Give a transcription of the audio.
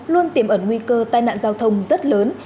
luôn tiềm ẩn nguy cơ tai nạn giao thông rất lớn